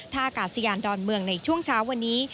อากาศยานดอนเมืองในช่วงเช้าวันนี้